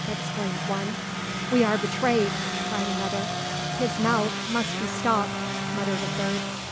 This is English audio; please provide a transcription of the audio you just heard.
exclaimed one. "We are betrayed!" cried another. "His mouth must be stopped," muttered a third.